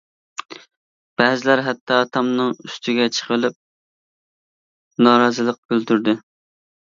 بەزىلەر ھەتتا تامنىڭ ئۈستىگە چىقىۋېلىپ نارازىلىق بىلدۈردى.